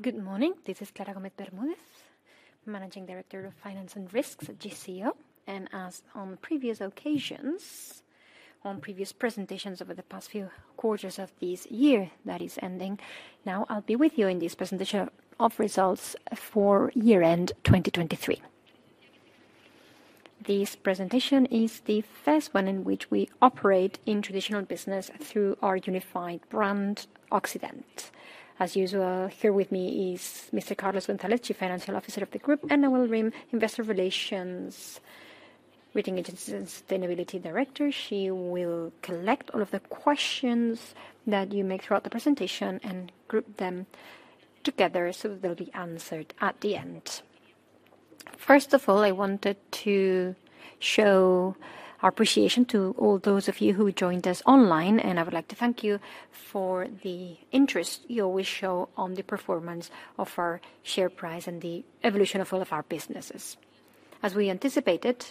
Good morning. This is Clara Gómez Bermúdez, Managing Director of Finance and Risks at GCO. As on previous occasions, on previous presentations over the past few quarters of this year that is ending, now I'll be with you in this presentation of results for year-end 2023. This presentation is the first one in which we operate in traditional business through our unified brand, Occident. As usual, here with me is Mr. Carlos González, Chief Financial Officer of the group, and Noelia Rimé, Investor Relations, Rating Agency, and Sustainability Director. She will collect all of the questions that you make throughout the presentation and group them together, so they'll be answered at the end. First of all, I wanted to show our appreciation to all those of you who joined us online, and I would like to thank you for the interest you always show on the performance of our share price and the evolution of all of our businesses. As we anticipated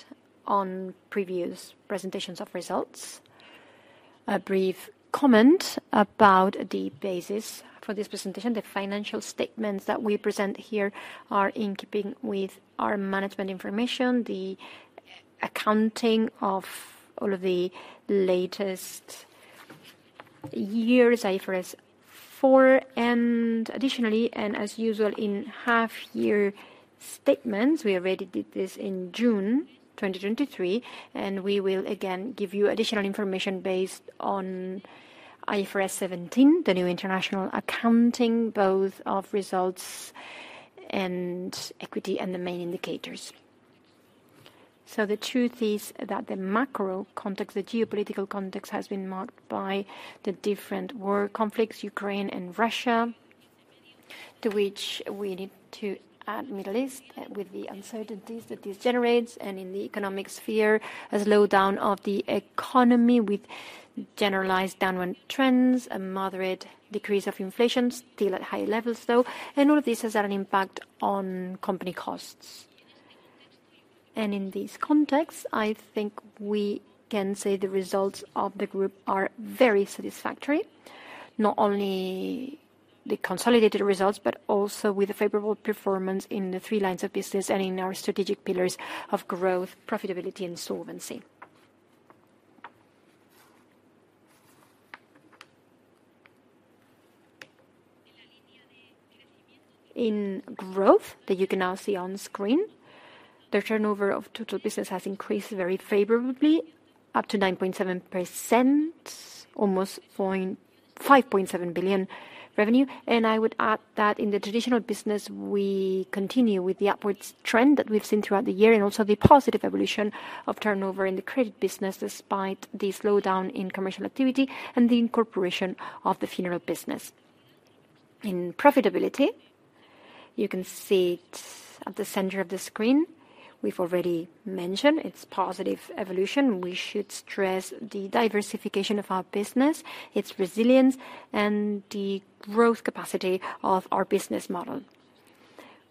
on previous presentations of results, a brief comment about the basis for this presentation. The financial statements that we present here are in keeping with our management information, the accounting of all of the latest year's IFRS 4. Additionally, and as usual in half-year statements, we already did this in June 2023, and we will again give you additional information based on IFRS 17, the new international accounting, both of results and equity and the main indicators. So the truth is that the macro context, the geopolitical context, has been marked by the different war conflicts, Ukraine and Russia, to which we need to add Middle East, with the uncertainties that this generates. And in the economic sphere, a slowdown of the economy with generalized downward trends, a moderate decrease of inflation, still at high levels, though, and all of this has had an impact on company costs. And in this context, I think we can say the results of the group are very satisfactory. Not only the consolidated results, but also with a favorable performance in the three lines of business and in our strategic pillars of growth, profitability, and solvency. In growth, that you can now see on screen, the turnover of total business has increased very favorably, up to 9.7%, almost 5.7 billion revenue. I would add that in the traditional business, we continue with the upward trend that we've seen throughout the year, and also the positive evolution of turnover in the credit business, despite the slowdown in commercial activity and the incorporation of the funeral business. In profitability, you can see it at the center of the screen. We've already mentioned its positive evolution. We should stress the diversification of our business, its resilience, and the growth capacity of our business model.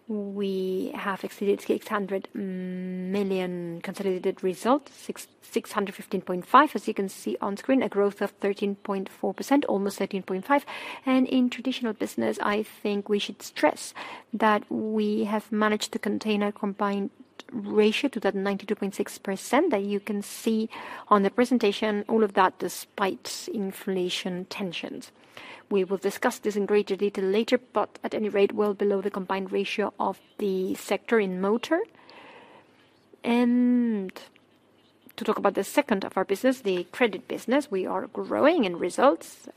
We have exceeded 600 million consolidated results, 615.5, as you can see on screen, a growth of 13.4%, almost 13.5. In traditional business, I think we should stress that we have managed to contain a combined ratio to that 92.6%, that you can see on the presentation. All of that despite inflation tensions. We will discuss this in greater detail later, but at any rate, well below the combined ratio of the sector in motor. And to talk about the second of our business, the credit business, we are growing in results,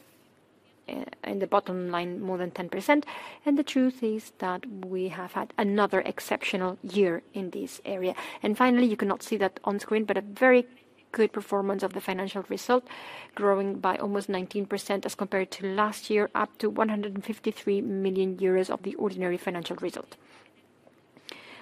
in the bottom line, more than 10%. And the truth is that we have had another exceptional year in this area. And finally, you cannot see that on screen, but a very good performance of the financial result, growing by almost 19% as compared to last year, up to 153 million euros of the ordinary financial result.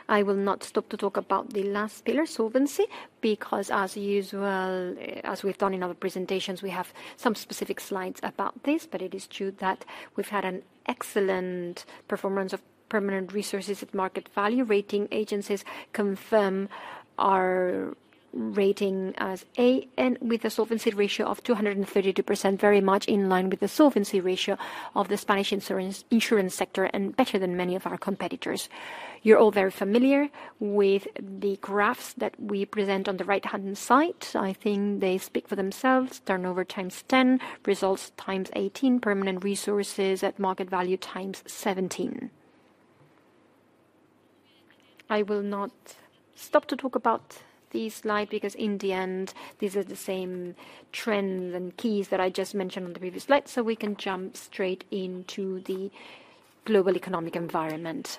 I will not stop to talk about the last pillar, solvency, because as usual, as we've done in other presentations, we have some specific slides about this. But it is true that we've had an excellent performance of permanent resources at market value. Rating agencies confirm our rating as A, and with a solvency ratio of 232%, very much in line with the solvency ratio of the Spanish insurance, insurance sector, and better than many of our competitors. You're all very familiar with the graphs that we present on the right-hand side. I think they speak for themselves. Turnover ×10. Results ×18. Permanent resources at market value ×17. I will not stop to talk about this slide because in the end, these are the same trends and keys that I just mentioned on the previous slide, so we can jump straight into the global economic environment.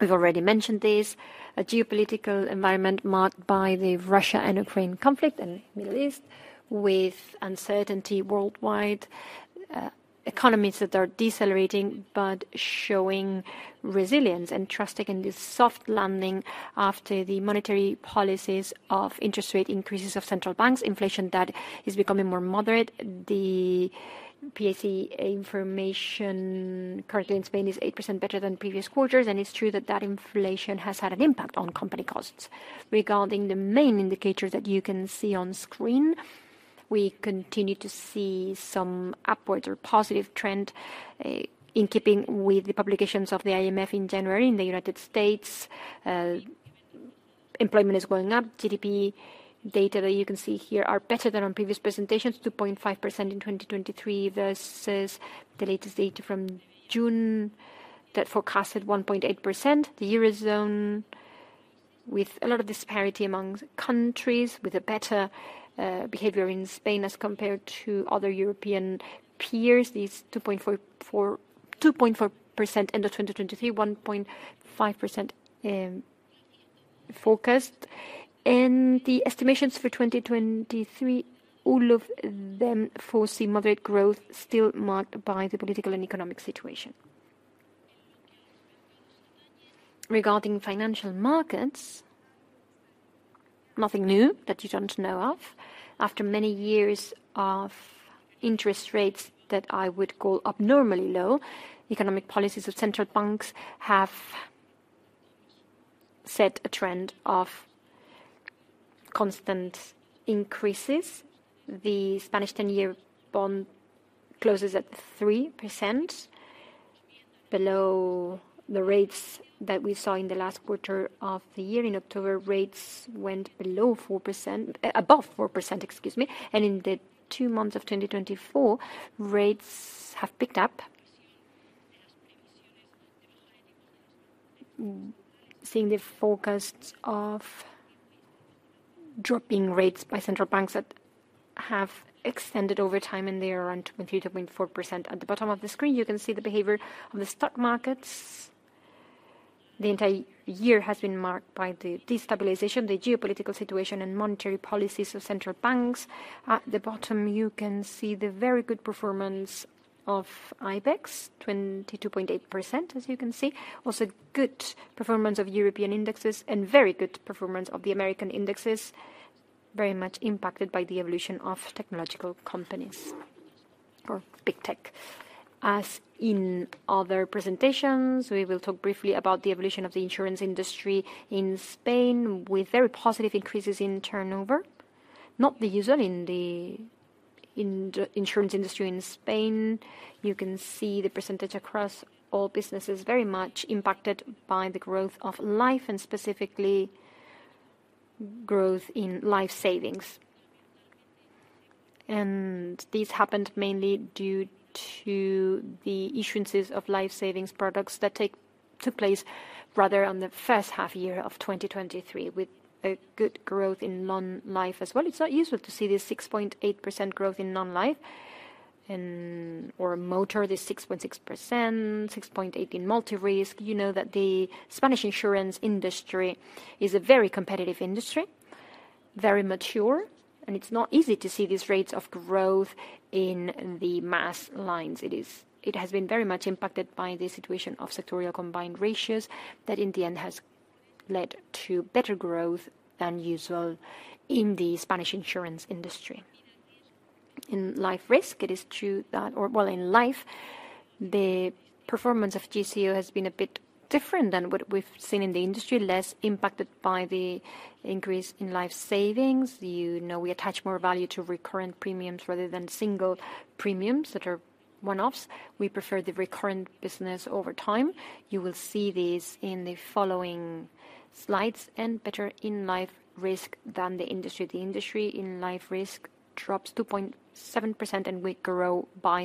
We've already mentioned this, a geopolitical environment marked by the Russia and Ukraine conflict and Middle East, with uncertainty worldwide. Economies that are decelerating but showing resilience and trusting in this soft landing after the monetary policies of interest rate increases of central banks, inflation that is becoming more moderate. The IPC/P&C information currently in Spain is 8% better than previous quarters, and it's true that that inflation has had an impact on company costs. Regarding the main indicators that you can see on screen, we continue to see some upwards or positive trend, in keeping with the publications of the IMF in January. In the United States, employment is going up. GDP data that you can see here are better than on previous presentations, 2.5% in 2023 versus the latest data from June that forecasted 1.8%. The Eurozone with a lot of disparity among countries, with a better behavior in Spain as compared to other European peers, 2.44-2.4% end of 2023, 1.5% forecast. The estimations for 2023, all of them foresee moderate growth still marked by the political and economic situation. Regarding financial markets, nothing new that you don't know of. After many years of interest rates that I would call abnormally low, economic policies of central banks have set a trend of constant increases. The Spanish 10-year bond closes at 3%, below the rates that we saw in the last quarter of the year. In October, rates went above 4%, excuse me. In the two months of 2024, rates have picked up. Seeing the forecasts of dropping rates by central banks that have extended over time, and they are around 2.3%-2.4%. At the bottom of the screen, you can see the behavior on the stock markets. The entire year has been marked by the destabilization, the geopolitical situation, and monetary policies of central banks. At the bottom, you can see the very good performance of IBEX, 22.8%, as you can see. Also, good performance of European indexes and very good performance of the American indexes, very much impacted by the evolution of technological companies or big tech. As in other presentations, we will talk briefly about the evolution of the insurance industry in Spain, with very positive increases in turnover, not the usual in the insurance industry in Spain. You can see the percentage across all businesses, very much impacted by the growth of life and specifically growth in life savings. And this happened mainly due to the issuances of life savings products that took place rather on the first half of 2023, with a good growth in non-life as well. It's not usual to see this 6.8% growth in non-life and or motor, this 6.6%, 6.8 in multi-risk. You know that the Spanish insurance industry is a very competitive industry, very mature, and it's not easy to see these rates of growth in the mass lines. It has been very much impacted by the situation of sectoral combined ratios that in the end, has led to better growth than usual in the Spanish insurance industry. In life risk, it is true that... Or well, in life, the performance of GCO has been a bit different than what we've seen in the industry, less impacted by the increase in life savings. You know, we attach more value to recurrent premiums rather than single premiums that are one-offs. We prefer the recurrent business over time. You will see these in the following slides, and better in life risk than the industry. The industry in life risk drops 2.7%, and we grow by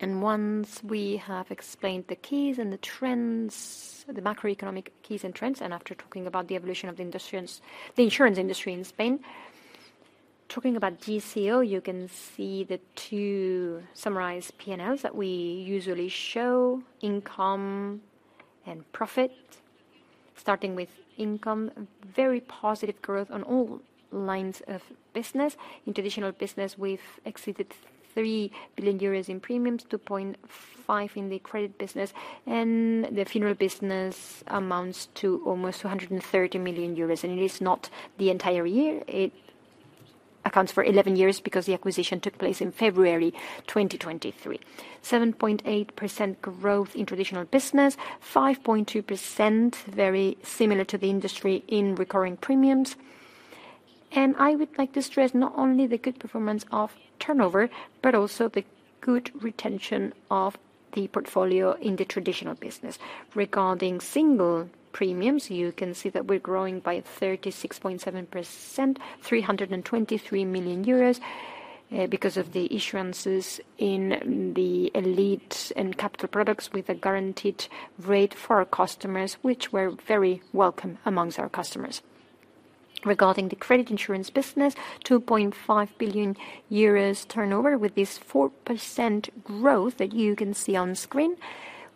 3.5%. Once we have explained the keys and the trends, the macroeconomic keys and trends, and after talking about the evolution of the insurance, the insurance industry in Spain. Talking about GCO, you can see the two summarized P&Ls that we usually show: income and profit. Starting with income, very positive growth on all lines of business. In traditional business, we've exceeded 3 billion euros in premiums, 2.5 billion in the credit business, and the funeral business amounts to almost 230 million euros, and it is not the entire year. It accounts for eleven years, because the acquisition took place in February 2023. 7.8% growth in traditional business, 5.2%, very similar to the industry in recurring premiums. I would like to stress not only the good performance of turnover, but also the good retention of the portfolio in the traditional business. Regarding single premiums, you can see that we're growing by 36.7%, 323 million euros, because of the insurances in the elite and capital products with a guaranteed rate for our customers, which were very welcome amongst our customers. Regarding the credit insurance business, 2.5 billion euros turnover with this 4% growth that you can see on screen.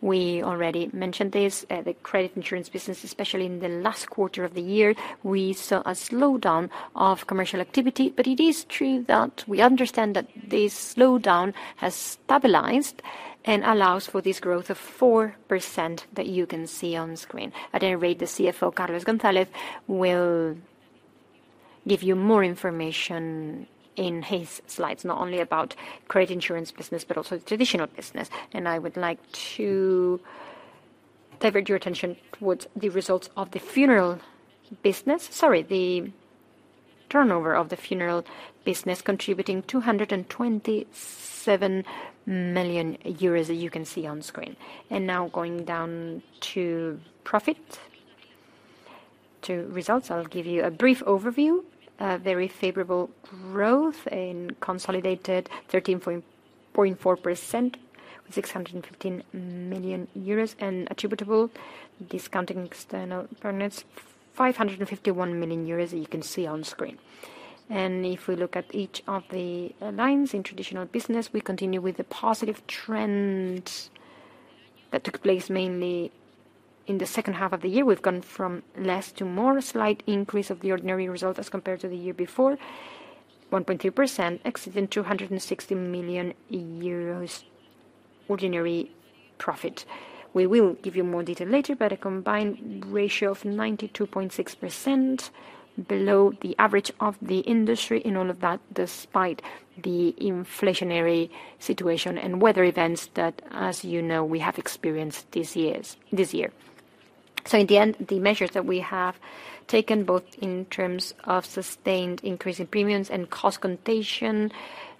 We already mentioned this, the credit insurance business, especially in the last quarter of the year, we saw a slowdown of commercial activity. But it is true that we understand that this slowdown has stabilized and allows for this growth of 4% that you can see on screen. At any rate, the CFO, Carlos González, will give you more information in his slides, not only about credit insurance business, but also the traditional business. And I would like to divert your attention towards the results of the funeral business. Sorry, turnover of the funeral business, contributing 227 million euros, as you can see on screen. And now going down to profit, to results, I'll give you a brief overview. Very favorable growth in consolidated 13.4%, with 615 million euros, and attributable, discounting external partners, 551 million euros, as you can see on screen. And if we look at each of the lines in traditional business, we continue with the positive trends that took place mainly in the second half of the year. We've gone from less to more, a slight increase of the ordinary result as compared to the year before, 1.2%, exceeding 260 million euros ordinary profit. We will give you more detail later, but a combined ratio of 92.6%, below the average of the industry in all of that, despite the inflationary situation and weather events that, as you know, we have experienced these years, this year. So in the end, the measures that we have taken, both in terms of sustained increase in premiums and cost contention,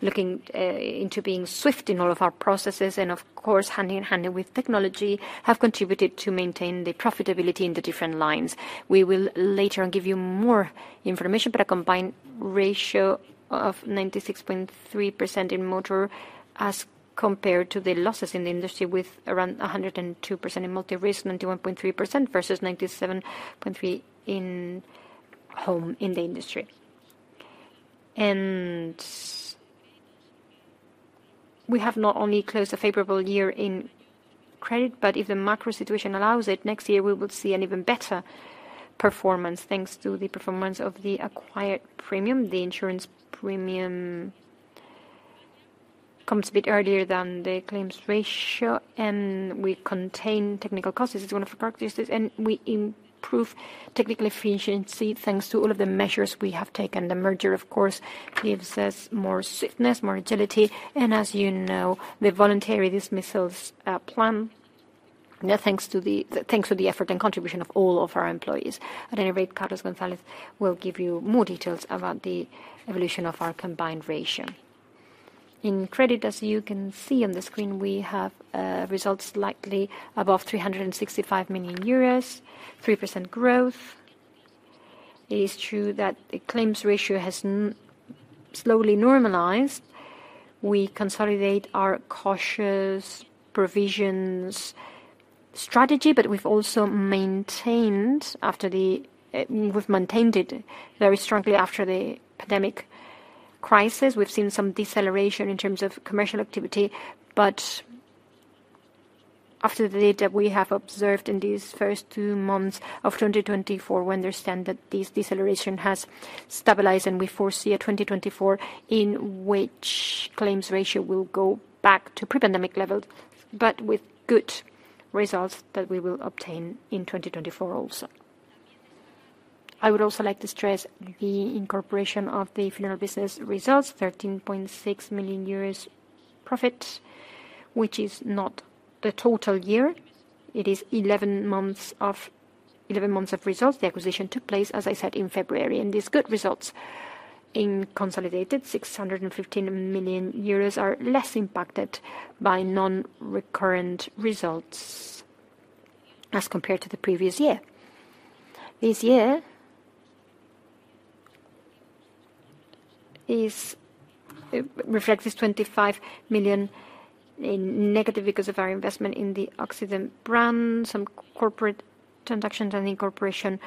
looking into being swift in all of our processes and of course, hand in hand with technology, have contributed to maintain the profitability in the different lines. We will later on give you more information, but a combined ratio of 96.3% in motor as compared to the losses in the industry with around 102% in multi risk, 91.3% versus 97.3% in home in the industry. And we have not only closed a favorable year in credit, but if the macro situation allows it, next year we will see an even better performance, thanks to the performance of the acquired premium. The insurance premium comes a bit earlier than the claims ratio, and we contain technical costs. This is one of our practices, and we improve technical efficiency, thanks to all of the measures we have taken. The merger, of course, gives us more swiftness, more agility, and as you know, the voluntary dismissals plan, thanks to the effort and contribution of all of our employees. At any rate, Carlos González will give you more details about the evolution of our combined ratio. In credit, as you can see on the screen, we have results slightly above 365 million euros, 3% growth. It is true that the claims ratio has slowly normalized. We consolidate our cautious provisions strategy, but we've also maintained after the... We've maintained it very strongly after the pandemic crisis. We've seen some deceleration in terms of commercial activity, but after the data we have observed in these first two months of 2024, we understand that this deceleration has stabilized, and we foresee a 2024 in which claims ratio will go back to pre-pandemic levels, but with good results that we will obtain in 2024 also. I would also like to stress the incorporation of the funeral business results, 13.6 million euros profit, which is not the total year. It is 11 months of results. The acquisition took place, as I said, in February, and these good results in consolidated 615 million euros are less impacted by non-recurrent results as compared to the previous year. This year is reflects this negative 25 million because of our investment in the Occident brand, some corporate transactions, and the incorporation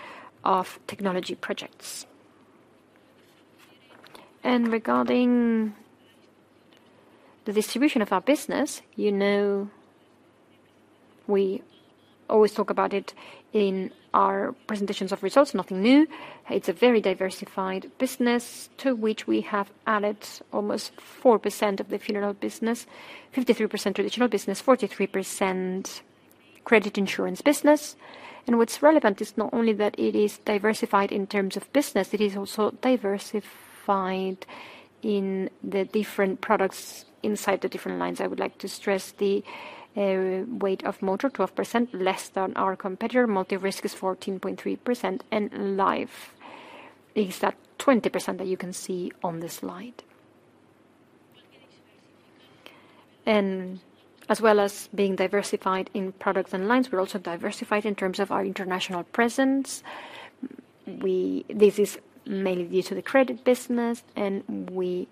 of technology projects. Regarding the distribution of our business, you know, we always talk about it in our presentations of results. Nothing new. It's a very diversified business to which we have added almost 4% of the funeral business, 53% traditional business, 43% credit insurance business. What's relevant is not only that it is diversified in terms of business, it is also diversified in the different products inside the different lines. I would like to stress the weight of motor, 12%, less than our competitor. Multi-risk is 14.3%, and life is that 20% that you can see on the slide. As well as being diversified in products and lines, we're also diversified in terms of our international presence. This is mainly due to the credit business, and we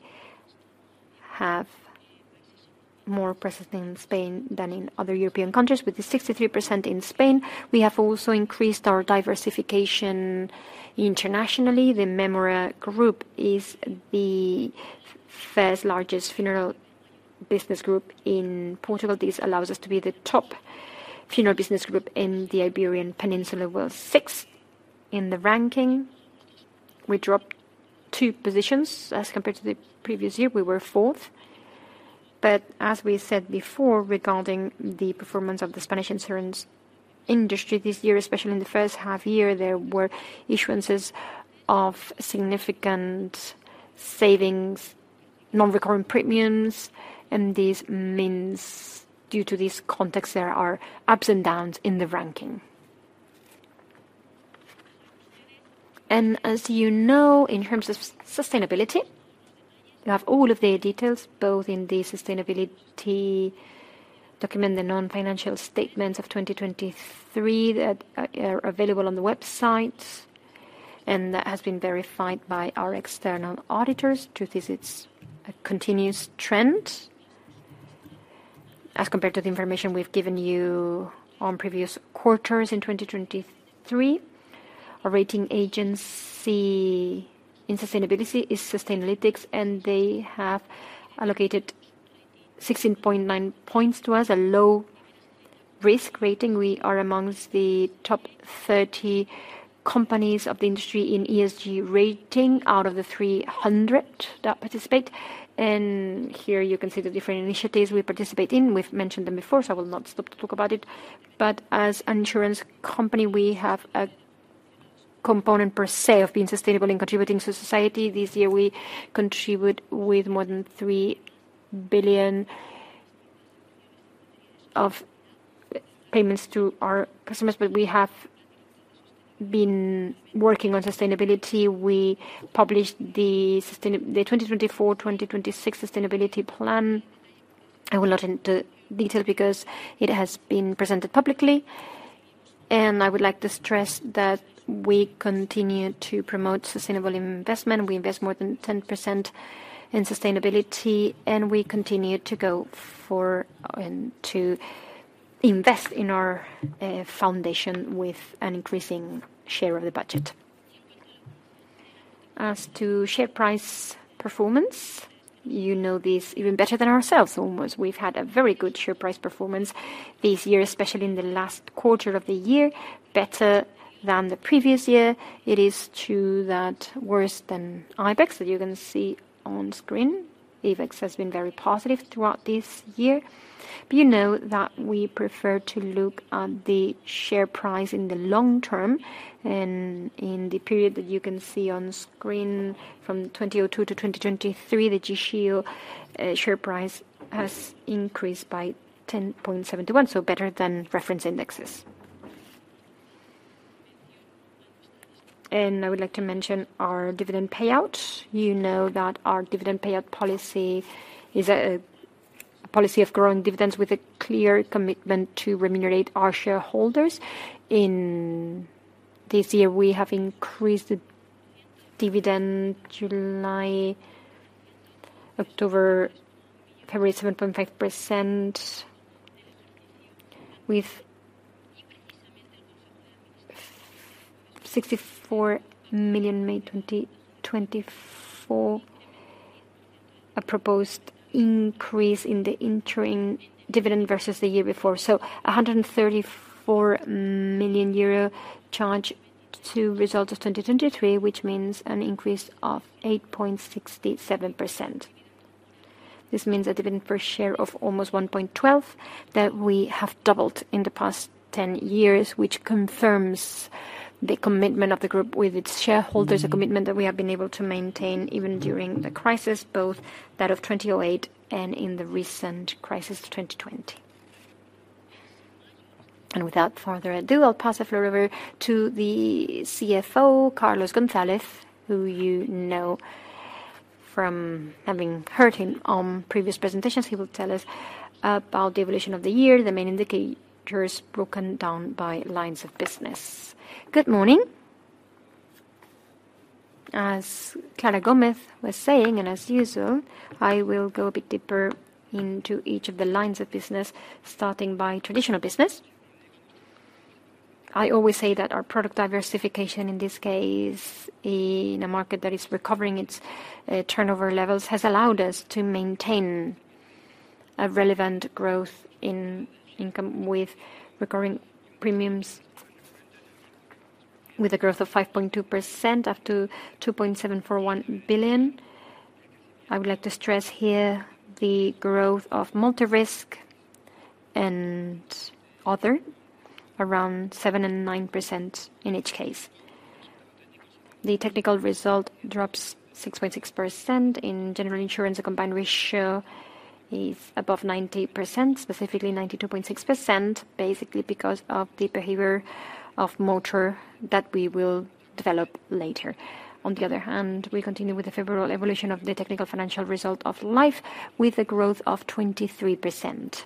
have more presence in Spain than in other European countries, with 63% in Spain. We have also increased our diversification internationally. The Mémora Group is the first largest funeral business group in Portugal. This allows us to be the top funeral business group in the Iberian Peninsula. We're sixth in the ranking. We dropped two positions as compared to the previous year; we were fourth. But as we said before, regarding the performance of the Spanish insurance industry this year, especially in the first half year, there were issuances of significant savings, non-recurring premiums, and this means due to this context, there are ups and downs in the ranking. As you know, in terms of sustainability, you have all of the details, both in the sustainability document, the non-financial statements of 2023 that are available on the website, and that has been verified by our external auditors. This is a continuous trend. As compared to the information we've given you on previous quarters in 2023, our rating agency in sustainability is Sustainalytics, and they have allocated 16.9 points to us, a low risk rating. We are amongst the top 30 companies of the industry in ESG rating out of the 300 that participate. And here you can see the different initiatives we participate in. We've mentioned them before, so I will not stop to talk about it. But as an insurance company, we have a component per se of being sustainable and contributing to society. This year we contributed with more than 3 billion of payments to our customers, but we have been working on sustainability. We published the sustainability the 2024-2026 sustainability plan. I will not enter into detail because it has been presented publicly, and I would like to stress that we continue to promote sustainable investment. We invest more than 10% in sustainability, and we continue to go for and to invest in our foundation with an increasing share of the budget. As to share price performance, you know this even better than ourselves, almost. We've had a very good share price performance this year, especially in the last quarter of the year, better than the previous year. It is true that worse than IBEX, that you can see on screen. IBEX has been very positive throughout this year. But you know that we prefer to look at the share price in the long term. And in the period that you can see on screen, from 2002 to 2023, the GCO share price has increased by 10.71, so better than reference indexes. And I would like to mention our dividend payout. You know that our dividend payout policy is a policy of growing dividends with a clear commitment to remunerate our shareholders. In this year, we have increased the dividend, July, October, 37.5%, with EUR 64 million May 2024, a proposed increase in the interim dividend versus the year before. So, 134 million euro charge to result of 2023, which means an increase of 8.67%. This means a dividend per share of almost 1.12, that we have doubled in the past 10 years, which confirms the commitment of the group with its shareholders, a commitment that we have been able to maintain even during the crisis, both that of 2008 and in the recent crisis of 2020. Without further ado, I'll pass the floor over to the CFO, Carlos González, who you know from having heard him on previous presentations. He will tell us about the evolution of the year, the main indicators, broken down by lines of business. Good morning. As Clara Gómez was saying, and as usual, I will go a bit deeper into each of the lines of business, starting by traditional business. I always say that our product diversification, in this case, in a market that is recovering its turnover levels, has allowed us to maintain a relevant growth in income with recurring premiums, with a growth of 5.2%, up to 2.741 billion. I would like to stress here the growth of multi-risk and other, around 7% and 9% in each case. The technical result drops 6.6%. In general insurance, a combined ratio is above 90%, specifically 92.6%, basically because of the behavior of motor that we will develop later. On the other hand, we continue with the favorable evolution of the technical financial result of life with a growth of 23%.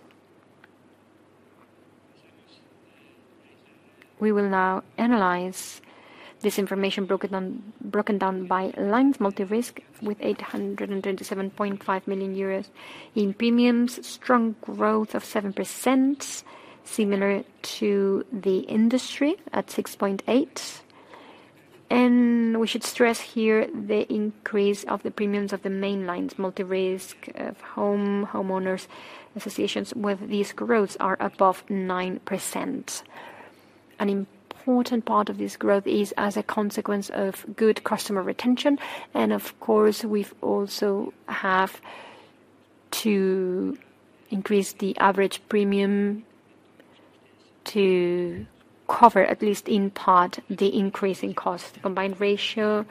We will now analyze this information broken down, broken down by lines: multi-risk, with 837.5 million euros in premiums, strong growth of 7%, similar to the industry at 6.8%. We should stress here the increase of the premiums of the main lines, multi-risk, of home, homeowners, associations, with these growths are above 9%. An important part of this growth is as a consequence of good customer retention. Of course, we've also have to increase the average premium... to cover, at least in part, the increase in cost. The combined ratio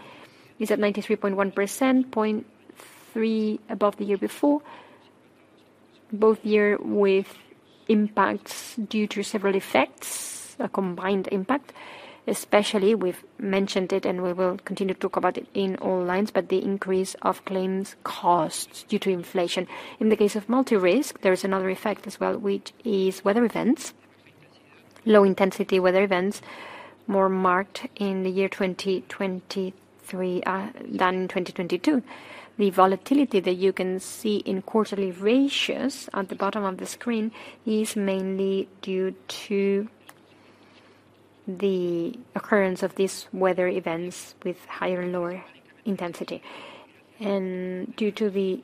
is at 93.1%, 0.3 above the year before. Both year with impacts due to several effects, a combined impact, especially we've mentioned it, and we will continue to talk about it in all lines, but the increase of claims costs due to inflation. In the case of multi-risk, there is another effect as well, which is weather events. Low-intensity weather events, more marked in the year 2023, than in 2022. The volatility that you can see in quarterly ratios at the bottom of the screen is mainly due to the occurrence of these weather events with higher and lower intensity. Due to the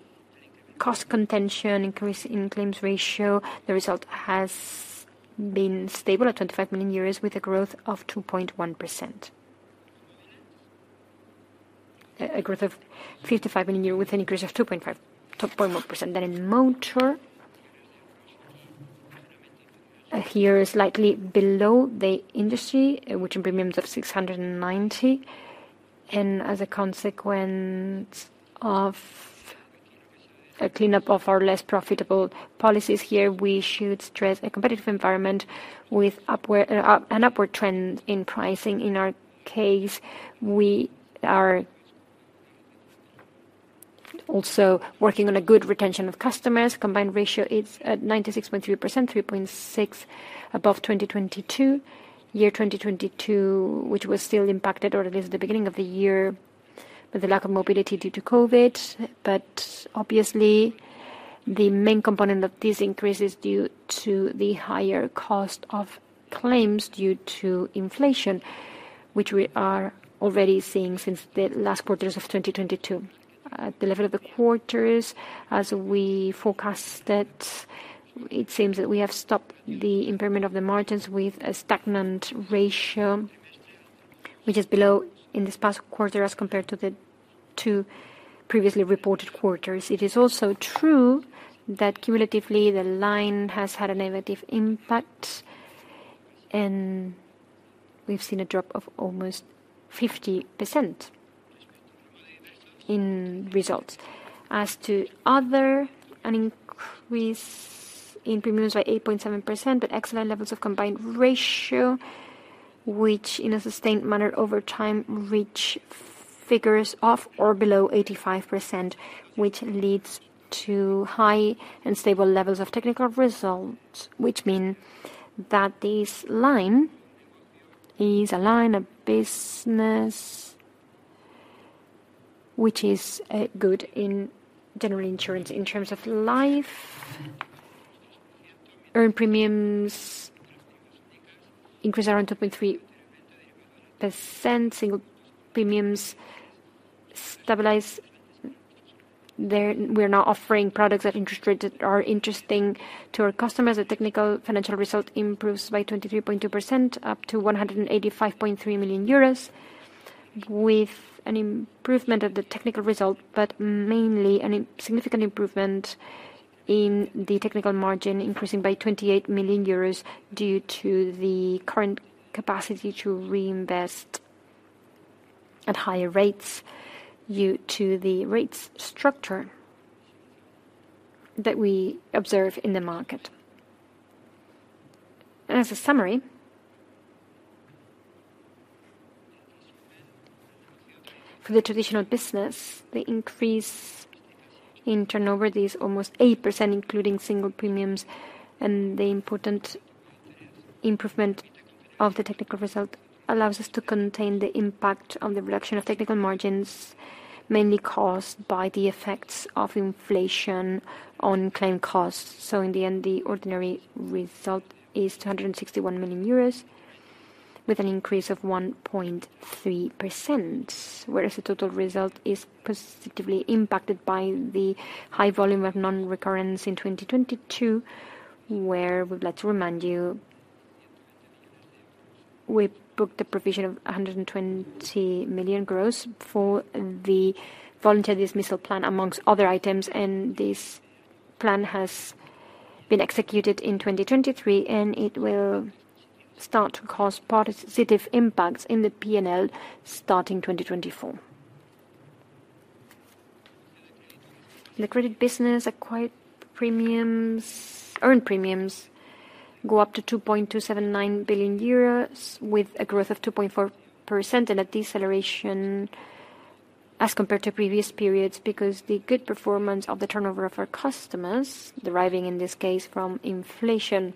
cost contention increase in claims ratio, the result has been stable at 25 million euros, with a growth of 2.1%. A growth of 55 million euros with an increase of 2.5--2.1%. Then in motor, here is slightly below the industry, which in premiums of 690, and as a consequence of a cleanup of our less profitable policies here, we should stress a competitive environment with an upward trend in pricing. In our case, we are also working on a good retention of customers. Combined ratio is at 96.3%, 3.6 above 2022. Year 2022, which was still impacted, or at least the beginning of the year, with the lack of mobility due to COVID. But obviously, the main component of this increase is due to the higher cost of claims due to inflation, which we are already seeing since the last quarters of 2022. At the level of the quarters, as we forecasted, it seems that we have stopped the impairment of the margins with a stagnant ratio, which is below in this past quarter as compared to the two previously reported quarters. It is also true that cumulatively, the line has had a negative impact, and we've seen a drop of almost 50% in results. As to other, an increase in premiums by 8.7%, but excellent levels of combined ratio, which in a sustained manner over time, reach figures of or below 85%, which leads to high and stable levels of technical results. Which mean that this line is a line of business which is, good in general insurance. In terms of life, earned premiums increase around 2.3%. Single premiums stabilize. We're now offering products at interest rates that are interesting to our customers. The technical financial result improves by 23.2%, up to 185.3 million euros, with an improvement of the technical result, but mainly a significant improvement in the technical margin, increasing by 28 million euros due to the current capacity to reinvest at higher rates, due to the rates structure that we observe in the market. As a summary, for the traditional business, the increase in turnover is almost 8%, including single premiums, and the important improvement of the technical result allows us to contain the impact on the reduction of technical margins, mainly caused by the effects of inflation on claim costs. So in the end, the ordinary result is 261 million euros, with an increase of 1.3%, whereas the total result is positively impacted by the high volume of non-recurrence in 2022, where we'd like to remind you, we booked a provision of 120 million gross for the voluntary dismissal plan, amongst other items, and this plan has been executed in 2023, and it will start to cause positive impacts in the PNL starting 2024. In the credit business, acquired premiums, earned premiums go up to 2.279 billion euros, with a growth of 2.4% and a deceleration as compared to previous periods. Because the good performance of the turnover of our customers, deriving, in this case, from inflation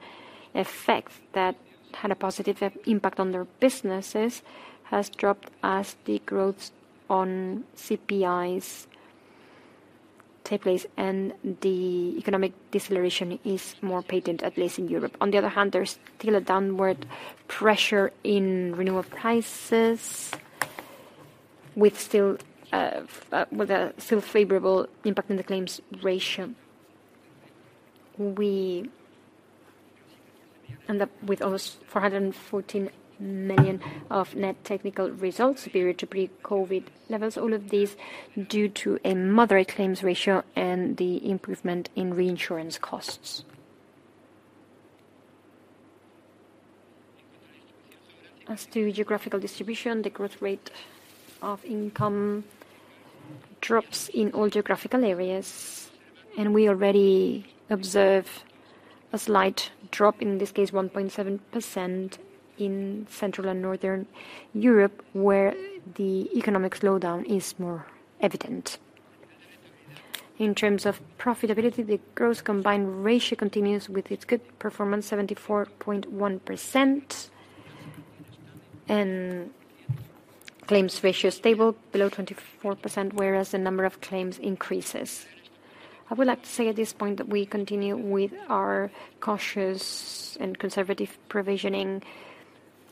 effects that had a positive effect, impact on their businesses, has dropped as the growth on CPIs take place and the economic deceleration is more patent, at least in Europe. On the other hand, there's still a downward pressure in renewal prices, with still, with a still favorable impact in the claims ratio. We end up with almost 414 million of net technical results, superior to pre-COVID levels. All of these due to a moderate claims ratio and the improvement in reinsurance costs. As to geographical distribution, the growth rate of income drops in all geographical areas, and we already observe a slight drop, in this case, 1.7%, in Central and Northern Europe, where the economic slowdown is more evident. In terms of profitability, the gross combined ratio continues with its good performance, 74.1%. Claims ratio stable, below 24%, whereas the number of claims increases. I would like to say at this point that we continue with our cautious and conservative provisioning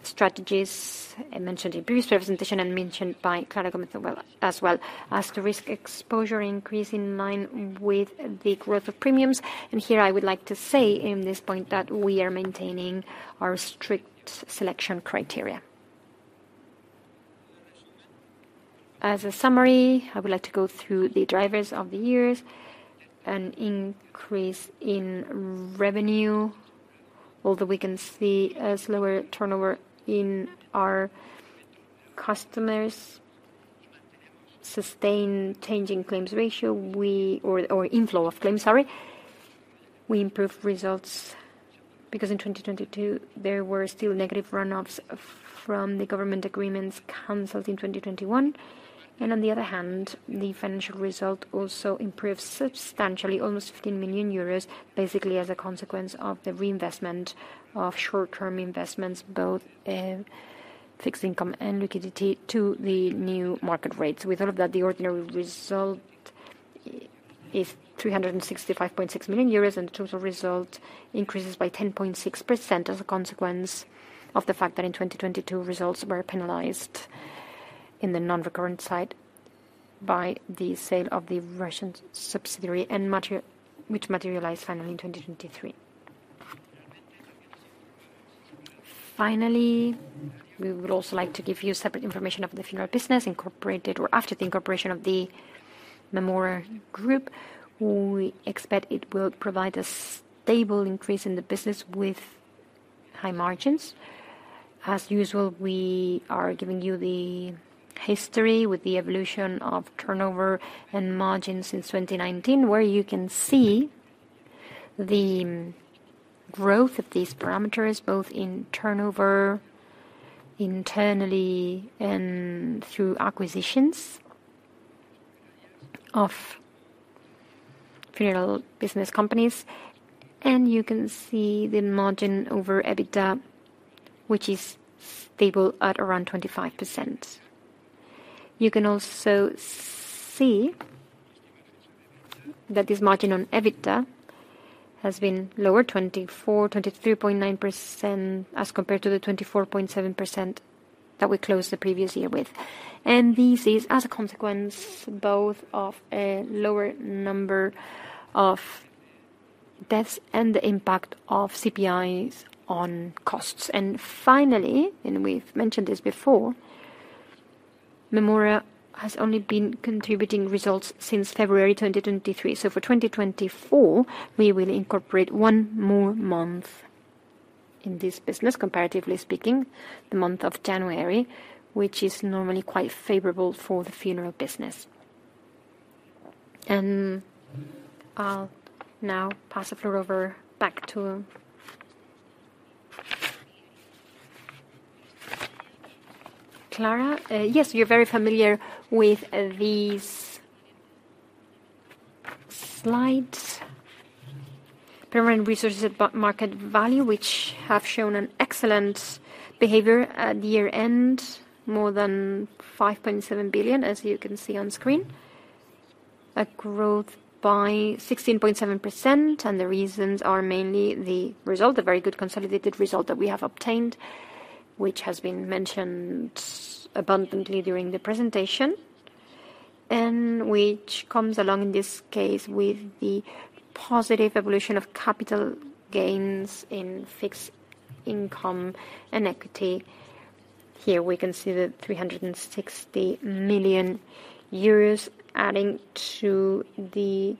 strategies, I mentioned in the previous presentation, and mentioned by Clara Gómez as well. As to risk exposure increase in line with the growth of premiums, and here I would like to say in this point, that we are maintaining our strict selection criteria. As a summary, I would like to go through the drivers of the years. An increase in revenue, although we can see a slower turnover in our customers, sustain changing claims ratio, or inflow of claims, sorry. We improved results because in 2022, there were still negative runoffs from the government agreements canceled in 2021. On the other hand, the financial result also improved substantially, almost 15 million euros, basically as a consequence of the reinvestment of short-term investments, both fixed income and liquidity to the new market rates. With all of that, the ordinary result is 365.6 million euros, and the total result increases by 10.6% as a consequence of the fact that in 2022, results were penalized in the non-recurrent side by the sale of the Russian subsidiary, which materialized finally in 2023. Finally, we would also like to give you separate information of the funeral business, incorporated or after the incorporation of the Mémora Group. We expect it will provide a stable increase in the business with high margins. As usual, we are giving you the history with the evolution of turnover and margins since 2019, where you can see the growth of these parameters, both in turnover, internally and through acquisitions of funeral business companies. You can see the margin over EBITDA, which is stable at around 25%. You can also see that this margin on EBITDA has been lower, 23.9%, as compared to the 24.7% that we closed the previous year with. And this is as a consequence, both of a lower number of deaths and the impact of CPIs on costs. And finally, and we've mentioned this before, Mémora has only been contributing results since February 2023. So for 2024, we will incorporate one more month in this business, comparatively speaking, the month of January, which is normally quite favorable for the funeral business. I'll now pass the floor over back to... Clara. Yes, you're very familiar with these slides. Permanent resources at market value, which have shown an excellent behavior at year-end, more than 5.7 billion, as you can see on screen. A growth by 16.7%, and the reasons are mainly the result, the very good consolidated result that we have obtained, which has been mentioned abundantly during the presentation, and which comes along, in this case, with the positive evolution of capital gains in fixed income and equity. Here we can see the 360 million euros adding to the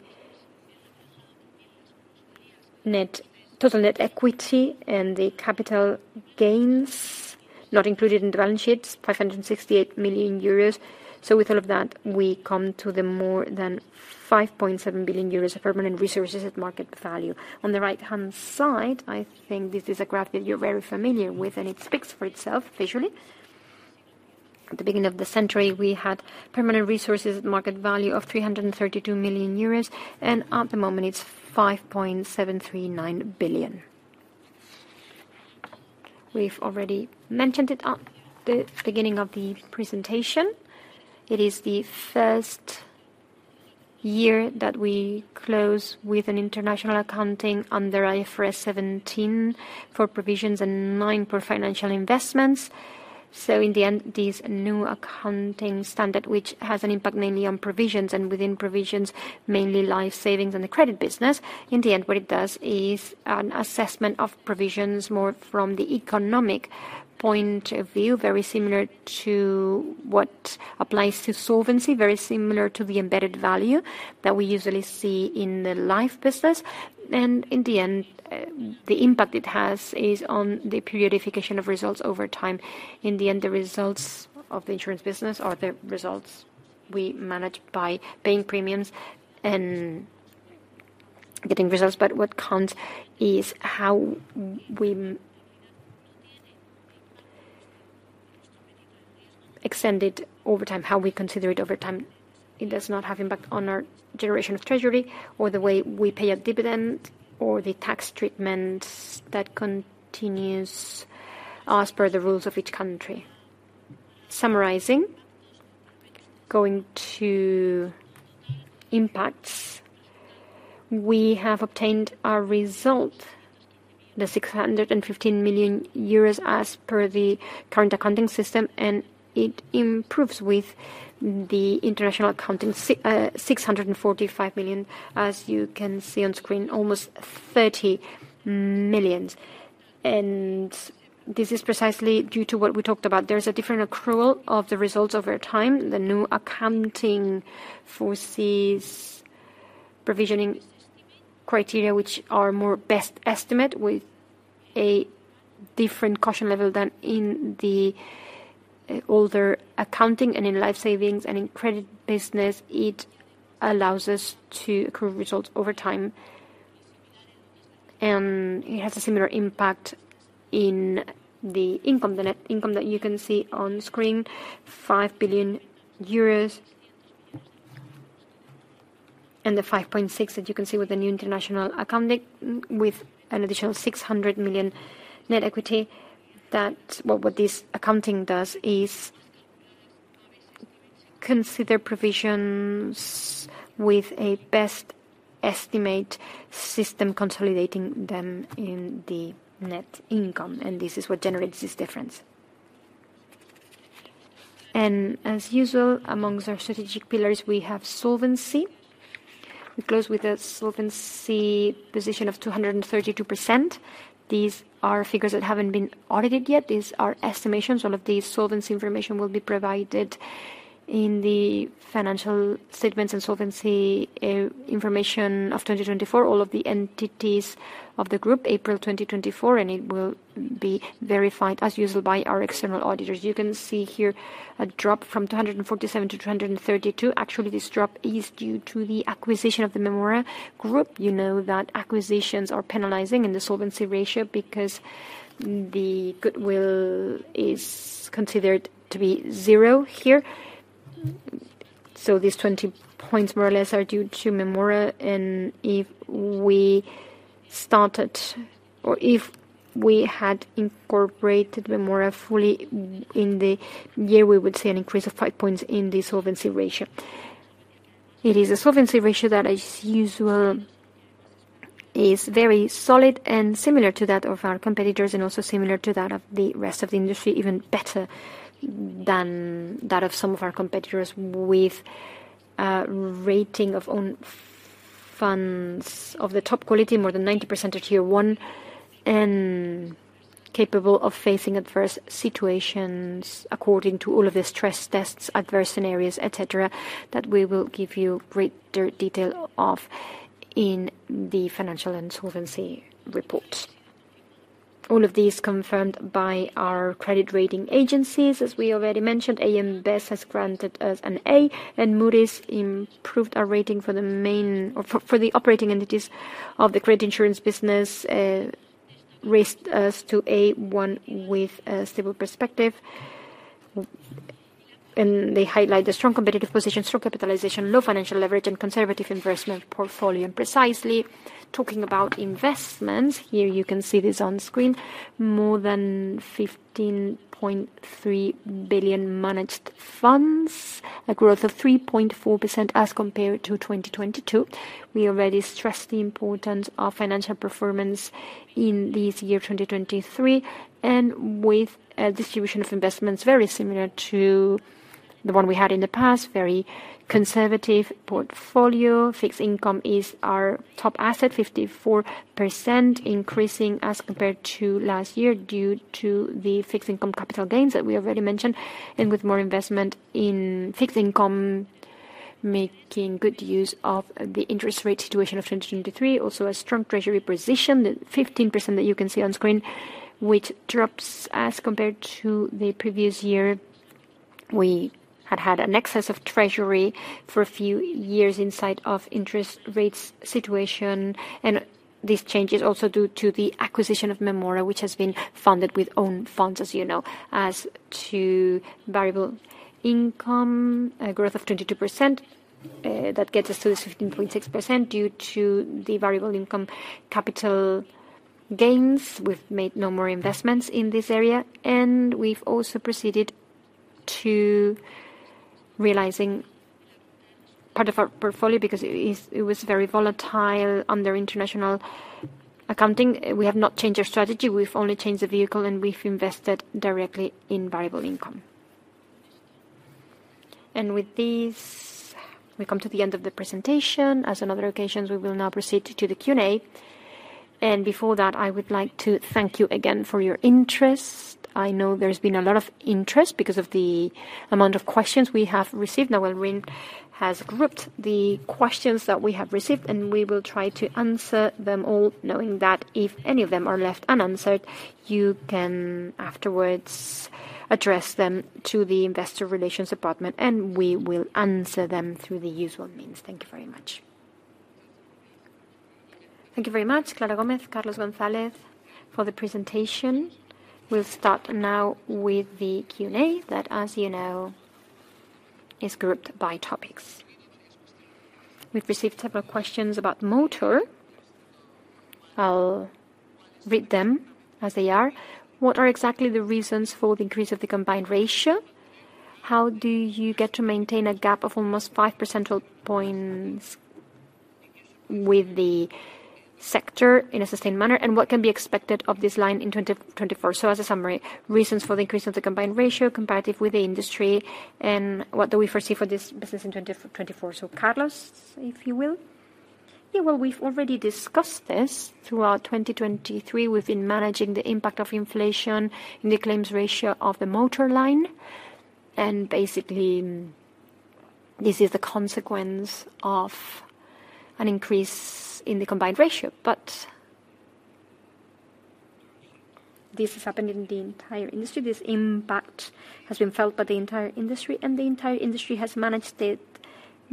net, total net equity and the capital gains, not included in the balance sheets, 568 million euros. With all of that, we come to the more than 5.7 billion euros of permanent resources at market value. On the right-hand side, I think this is a graph that you're very familiar with, and it speaks for itself visually. At the beginning of the century, we had permanent resources at market value of 332 million euros, and at the moment it's 5.739 billion. We've already mentioned it at the beginning of the presentation. It is the first year that we close with an international accounting under IFRS 17 for provisions and nine for financial investments. So in the end, this new accounting standard, which has an impact mainly on provisions, and within provisions, mainly life savings and the credit business, in the end, what it does is an assessment of provisions more from the economic point of view, very similar to what applies to solvency, very similar to the embedded value that we usually see in the life business. In the end, the impact it has is on the periodification of results over time. In the end, the results of the insurance business are the results we manage by paying premiums and getting results. But what counts is how we extend it over time, how we consider it over time. It does not have impact on our generation of treasury, or the way we pay a dividend, or the tax treatments that continues as per the rules of each country. Summarizing, going to impacts. We have obtained our result, 615 million euros, as per the current accounting system, and it improves with the international accounting, 645 million, as you can see on screen, almost 30 million. And this is precisely due to what we talked about. There's a different accrual of the results over time. The new accounting foresees provisioning criteria, which are more best estimate, with a different caution level than in the older accounting and in life savings and in credit business. It allows us to accrue results over time, and it has a similar impact in the income, the net income that you can see on screen, 5 billion euros. And the 5.6, that you can see with the new international accounting, with an additional 600 million net equity. What this accounting does is consider provisions with a best estimate system, consolidating them in the net income, and this is what generates this difference. And as usual, among our strategic pillars, we have solvency. We close with a solvency position of 232%. These are figures that haven't been audited yet. These are estimations. All of the solvency information will be provided in the financial statements and solvency information of 2024, all of the entities of the group, April 2024, and it will be verified, as usual, by our external auditors. You can see here a drop from 247 to 232. Actually, this drop is due to the acquisition of the Mémora Group. You know that acquisitions are penalizing in the solvency ratio, because the goodwill is considered to be zero here. So these 20 points, more or less, are due to Mémora, and if we started, or if we had incorporated Mémora fully in the year, we would see an increase of five points in the solvency ratio. It is a solvency ratio that, as usual, is very solid and similar to that of our competitors, and also similar to that of the rest of the industry, even better than that of some of our competitors, with a rating of own funds of the top quality, more than 90% of Tier 1, and capable of facing adverse situations, according to all of the stress tests, adverse scenarios, et cetera, that we will give you greater detail of in the financial and solvency report. All of these confirmed by our credit rating agencies. As we already mentioned, AM Best has granted us an A, and Moody's improved our rating for the main... or for, for the operating entities of the credit insurance business, raised us to A1, with a stable perspective. They highlight the strong competitive position, strong capitalization, low financial leverage, and conservative investment portfolio. Precisely, talking about investments, here you can see this on screen, more than 15.3 billion managed funds, a growth of 3.4% as compared to 2022. We already stressed the importance of financial performance in this year, 2023, and with a distribution of investments very similar to the one we had in the past, very conservative portfolio. Fixed income is our top asset, 54%, increasing as compared to last year, due to the fixed income capital gains that we already mentioned, and with more investment in fixed income, making good use of the interest rate situation of 2023. Also, a strong treasury position, the 15% that you can see on screen, which drops as compared to the previous year. We had had an excess of treasury for a few years inside of interest rates situation, and these changes, also due to the acquisition of Mémora, which has been funded with own funds, as you know. As to variable income, a growth of 22%, that gets us to this 15.6% due to the variable income capital gains. We've made no more investments in this area, and we've also proceeded to realizing part of our portfolio, because it is, it was very volatile under international accounting. We have not changed our strategy. We've only changed the vehicle, and we've invested directly in variable income. And with this, we come to the end of the presentation. As on other occasions, we will now proceed to the Q&A. And before that, I would like to thank you again for your interest. I know there's been a lot of interest because of the amount of questions we have received. Now has grouped the questions that we have received, and we will try to answer them all, knowing that if any of them are left unanswered, you can afterwards address them to the Investor Relations department, and we will answer them through the usual means. Thank you very much. Thank you very much, Clara Gómez, Carlos González, for the presentation. We'll start now with the Q&A, that, as you know, is grouped by topics. We've received several questions about motor. I'll read them as they are. What are exactly the reasons for the increase of the combined ratio? How do you get to maintain a gap of almost five percentage points with the sector in a sustained manner? And what can be expected of this line in 2024? So as a summary, reasons for the increase of the combined ratio comparative with the industry, and what do we foresee for this business in 2024. So, Carlos, if you will. Yeah, well, we've already discussed this. Throughout 2023, we've been managing the impact of inflation in the claims ratio of the motor line, and basically, this is the consequence of an increase in the combined ratio. But this has happened in the entire industry. This impact has been felt by the entire industry, and the entire industry has managed it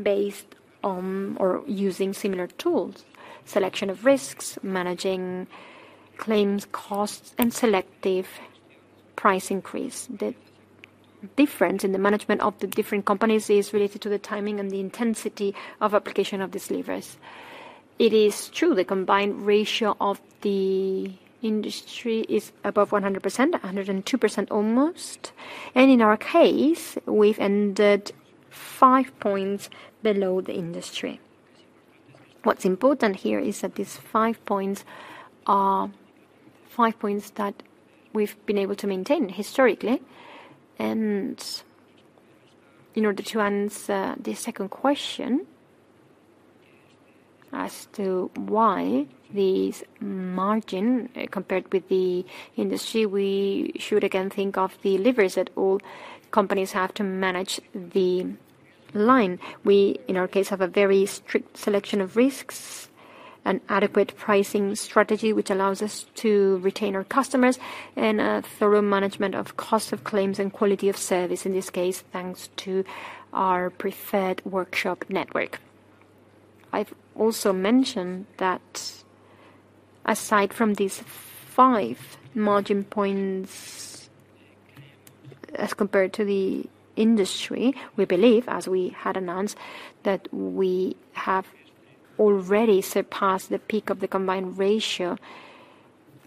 based on or using similar tools: selection of risks, managing claims costs, and selective price increase. The difference in the management of the different companies is related to the timing and the intensity of application of these levers. It is true, the Combined Ratio of the industry is above 100%, 102%, almost, and in our case, we've ended 5 points below the industry. What's important here is that these five points are five points that we've been able to maintain historically. In order to answer the second question as to why this margin compared with the industry, we should again think of the levers that all companies have to manage the line. We, in our case, have a very strict selection of risks and adequate pricing strategy, which allows us to retain our customers, and a thorough management of cost of claims and quality of service, in this case, thanks to our preferred workshop network. I've also mentioned that aside from these 5 margin points, as compared to the industry, we believe, as we had announced, that we have already surpassed the peak of the Combined Ratio.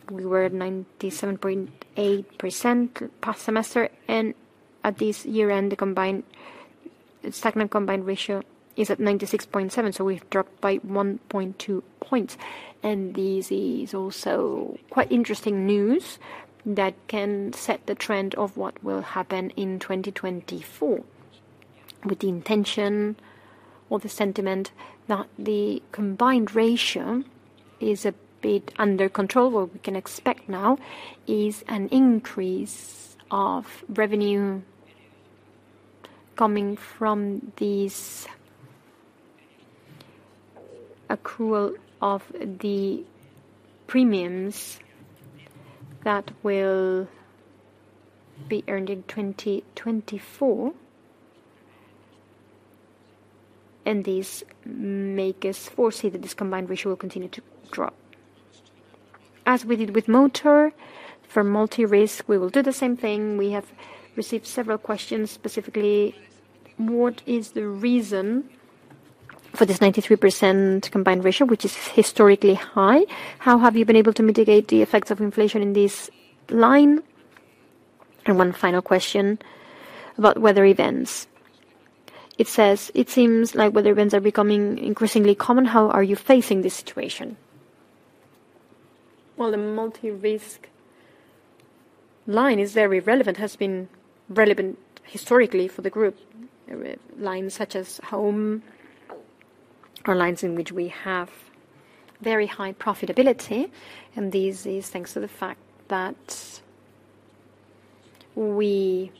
We were at 97.8% past semester, and at this year-end, the combined, stagnant Combined Ratio is at 96.7. So we've dropped by 1.2 points, and this is also quite interesting news that can set the trend of what will happen in 2024. With the intention or the sentiment that the Combined Ratio is a bit under control, what we can expect now is an increase of revenue coming from these accrual of the premiums that will be earned in 2024. These make us foresee that this Combined Ratio will continue to drop. As we did with motor, for multi-risk, we will do the same thing. We have received several questions. Specifically, what is the reason for this 93% combined ratio, which is historically high? How have you been able to mitigate the effects of inflation in this line? One final question about weather events. It says: It seems like weather events are becoming increasingly common. How are you facing this situation? Well, the multi-risk line is very relevant, has been relevant historically for the group. Lines such as home or lines in which we have very high profitability, and this is thanks to the fact that we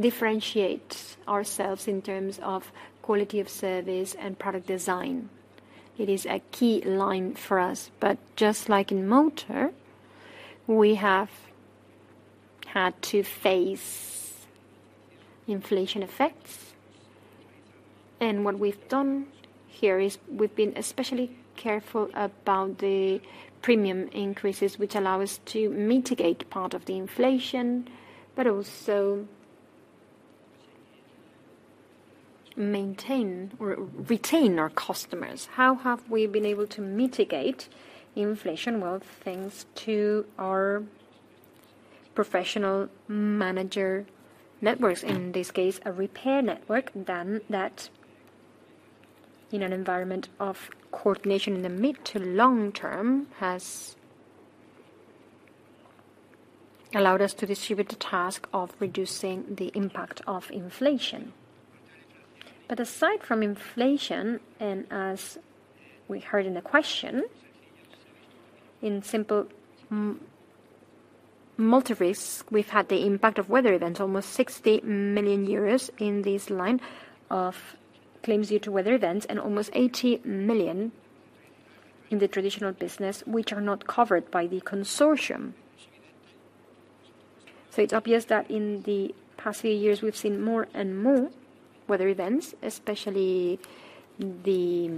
differentiate ourselves in terms of quality of service and product design. It is a key line for us. Just like in motor, we have had to face inflation effects. What we've done here is we've been especially careful about the premium increases, which allow us to mitigate part of the inflation, but also maintain or retain our customers. How have we been able to mitigate inflation? Well, thanks to our professional manager networks, in this case, a repair network, then that in an environment of coordination in the mid to long term, has allowed us to distribute the task of reducing the impact of inflation. But aside from inflation, and as we heard in the question in simple multirisks, we've had the impact of weather events, almost 60 million euros in this line of claims due to weather events, and almost 80 million in the traditional business, which are not covered by the consortium. It's obvious that in the past few years, we've seen more and more weather events, especially the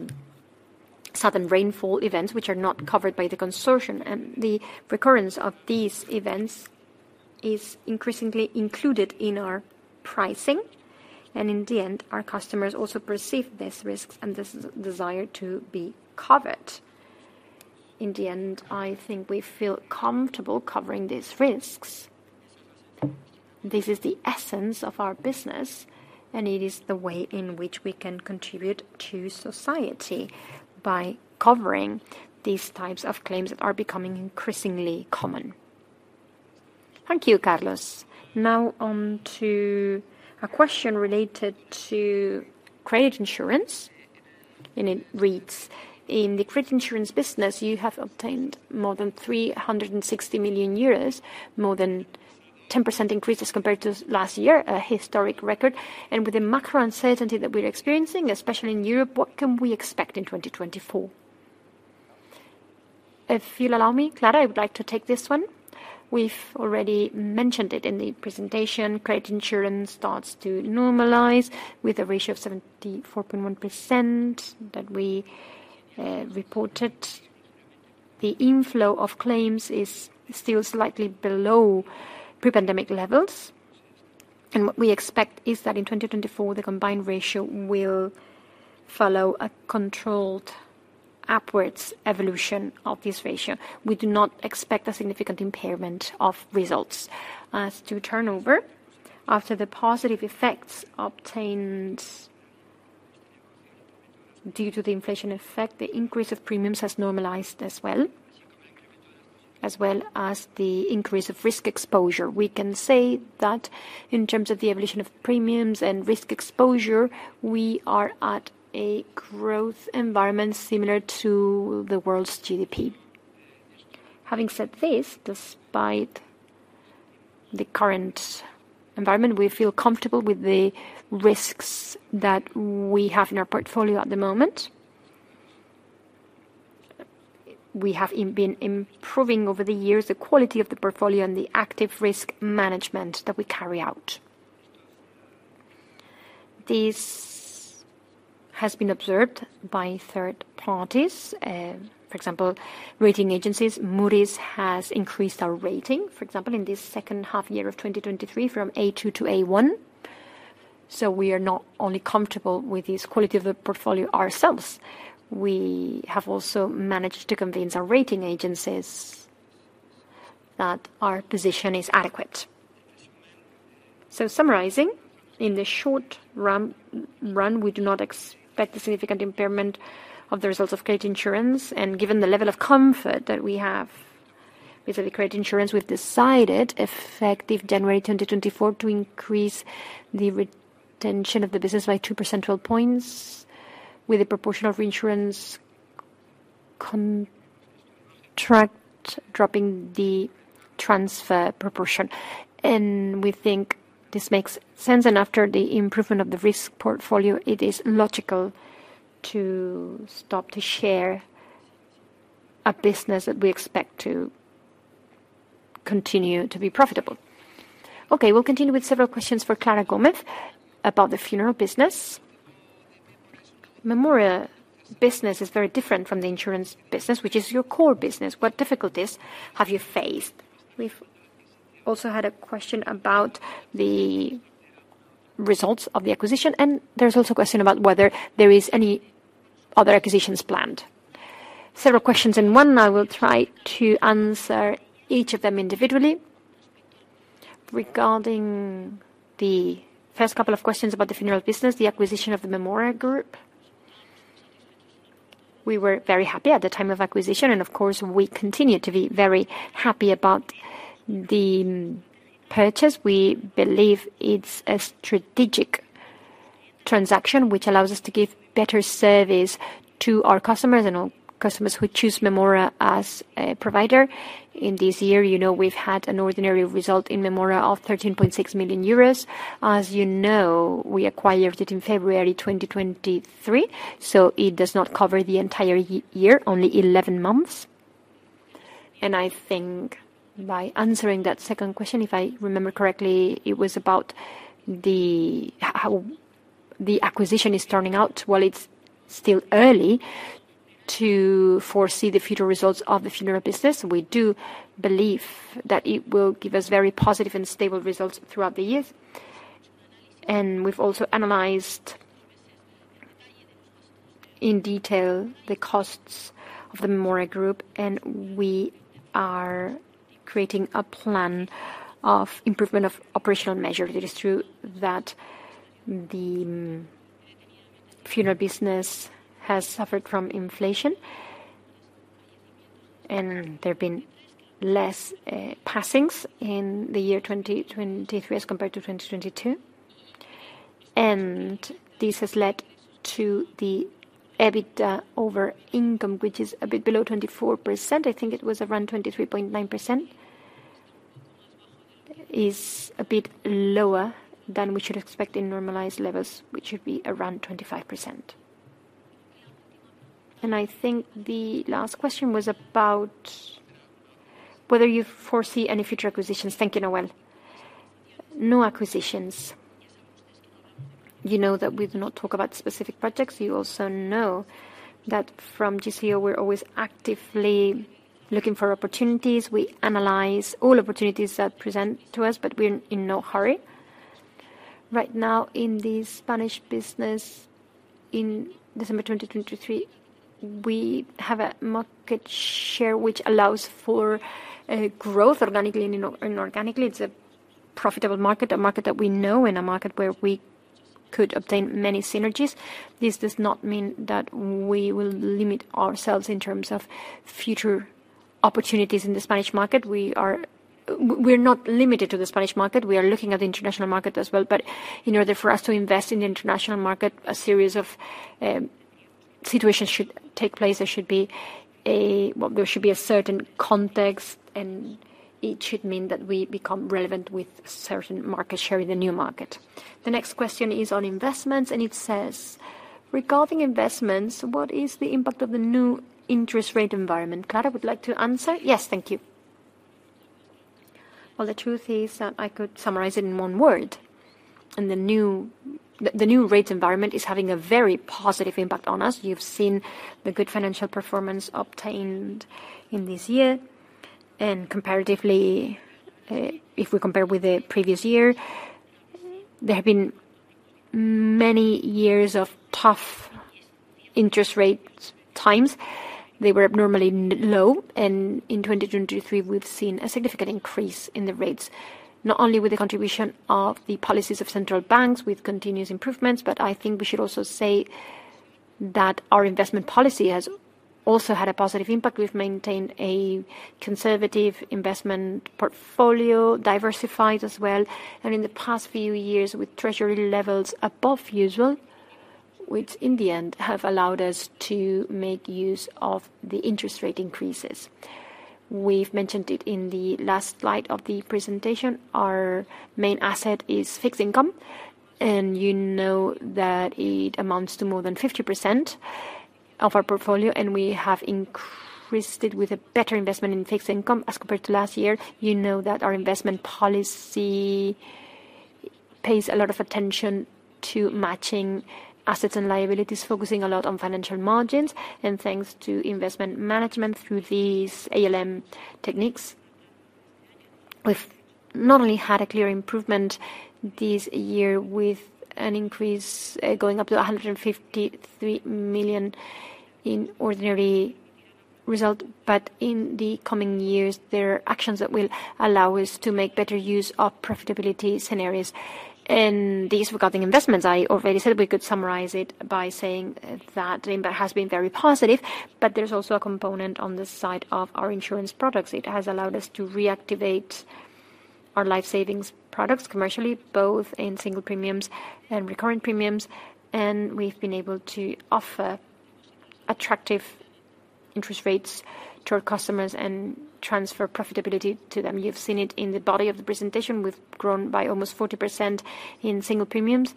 sudden rainfall events, which are not covered by the consortium, and the recurrence of these events is increasingly included in our pricing. In the end, our customers also perceive these risks and this is desire to be covered. In the end, I think we feel comfortable covering these risks. This is the essence of our business, and it is the way in which we can contribute to society by covering these types of claims that are becoming increasingly common. Thank you, Carlos. Now on to a question related to credit insurance, and it reads: In the credit insurance business, you have obtained more than 360 million euros, more than 10% increases compared to last year, a historic record, and with the macro uncertainty that we're experiencing, especially in Europe, what can we expect in 2024? If you'll allow me, Clara, I would like to take this one. We've already mentioned it in the presentation. Credit insurance starts to normalize with a ratio of 74.1% that we reported. The inflow of claims is still slightly below pre-pandemic levels, and what we expect is that in 2024, the combined ratio will follow a controlled upwards evolution of this ratio. We do not expect a significant impairment of results. As to turnover, after the positive effects obtained due to the inflation effect, the increase of premiums has normalized as well, as well as the increase of risk exposure. We can say that in terms of the evolution of premiums and risk exposure, we are at a growth environment similar to the world's GDP. Having said this, despite the current environment, we feel comfortable with the risks that we have in our portfolio at the moment. We have been improving over the years, the quality of the portfolio and the active risk management that we carry out. This has been observed by third parties, for example, rating agencies. Moody's has increased our rating, for example, in this second half year of 2023 from A2 to A1. So we are not only comfortable with this quality of the portfolio ourselves, we have also managed to convince our rating agencies that our position is adequate. So summarizing, in the short run, we do not expect a significant impairment of the results of credit insurance, and given the level of comfort that we have with the credit insurance, we've decided, effective January 2024, to increase the retention of the business by 2 percentage points with a proportion of insurance contract, dropping the transfer proportion. And we think this makes sense, and after the improvement of the risk portfolio, it is logical to stop to share a business that we expect to continue to be profitable. Okay, we'll continue with several questions for Clara Gómez about the funeral business. Mémora business is very different from the insurance business, which is your core business. What difficulties have you faced? We've also had a question about the results of the acquisition, and there's also a question about whether there is any other acquisitions planned. Several questions in one, I will try to answer each of them individually. Regarding the first couple of questions about the funeral business, the acquisition of the Mémora Group, we were very happy at the time of acquisition, and of course, we continue to be very happy about the purchase. We believe it's a strategic transaction which allows us to give better service to our customers and our customers who choose Mémora as a provider. In this year, you know, we've had an ordinary result in Mémora of 13.6 million euros. As you know, we acquired it in February 2023, so it does not cover the entire year, only 11 months. I think by answering that second question, if I remember correctly, it was about the... how the acquisition is turning out. Well, it's still early to foresee the future results of the funeral business. We do believe that it will give us very positive and stable results throughout the years, and we've also analyzed in detail the costs of the Mémora Group, and we are creating a plan of improvement of operational measures. It is true that the funeral business has suffered from inflation, and there have been less passings in the year 2023 as compared to 2022. And this has led to the EBITDA over income, which is a bit below 24%. I think it was around 23.9%. Is a bit lower than we should expect in normalized levels, which should be around 25%. I think the last question was about whether you foresee any future acquisitions. Thank you, Noelia. No acquisitions. You know that we do not talk about specific projects. You also know that from GCO, we're always actively looking for opportunities. We analyze all opportunities that present to us, but we're in no hurry. Right now, in the Spanish business, in December 2023, we have a market share which allows for growth organically and inorganically. It's a profitable market, a market that we know, and a market where we could obtain many synergies. This does not mean that we will limit ourselves in terms of future opportunities in the Spanish market. We're not limited to the Spanish market. We are looking at the international market as well. But in order for us to invest in the international market, a series of situations should take place. There should be a, well, there should be a certain context, and it should mean that we become relevant with certain market share in the new market. The next question is on investments, and it says: Regarding investments, what is the impact of the new interest rate environment? Clara, would like to answer? Yes, thank you. Well, the truth is that I could summarize it in one word, and the new rate environment is having a very positive impact on us. You've seen the good financial performance obtained in this year, and comparatively, if we compare with the previous year, there have been many years of tough interest rate times. They were abnormally low, and in 2023, we've seen a significant increase in the rates, not only with the contribution of the policies of central banks with continuous improvements, but I think we should also say that our investment policy has also had a positive impact. We've maintained a conservative investment portfolio, diversified as well, and in the past few years, with treasury levels above usual, which in the end have allowed us to make use of the interest rate increases. We've mentioned it in the last slide of the presentation. Our main asset is fixed income, and you know that it amounts to more than 50% of our portfolio, and we have increased it with a better investment in fixed income as compared to last year. You know that our investment policy pays a lot of attention to matching assets and liabilities, focusing a lot on financial margins, and thanks to investment management through these ALM techniques, we've not only had a clear improvement this year with an increase going up to 153 million in ordinary result. In the coming years, there are actions that will allow us to make better use of profitability scenarios. And these, regarding investments, I already said we could summarize it by saying that the impact has been very positive, but there's also a component on the side of our insurance products. It has allowed us to reactivate our life savings products commercially, both in single premiums and recurring premiums. And we've been able to offer attractive interest rates to our customers and transfer profitability to them. You've seen it in the body of the presentation. We've grown by almost 40% in single premiums,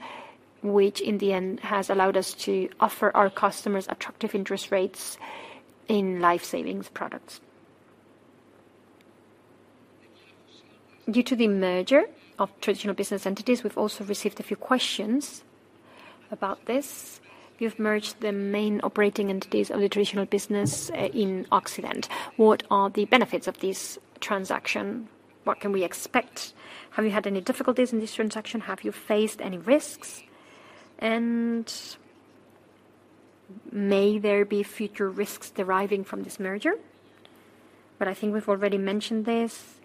which in the end has allowed us to offer our customers attractive interest rates in life savings products. Due to the merger of traditional business entities, we've also received a few questions about this. You've merged the main operating entities of the traditional business in Occident. What are the benefits of this transaction? What can we expect? Have you had any difficulties in this transaction? Have you faced any risks? And may there be future risks deriving from this merger? But I think we've already mentioned this.